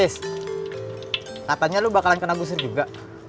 tis katanya lo bakalan kena gusir juga